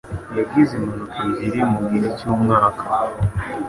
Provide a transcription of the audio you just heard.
Yagize impanuka ebyiri mugihe cyumwaka.